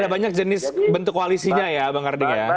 ada banyak jenis bentuk koalisinya ya bang karding ya